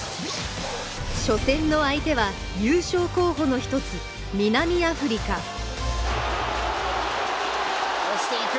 初戦の相手は優勝候補の一つ南アフリカ押していく！